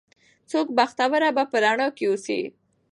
څوک بختوره به په رڼا کې اوسي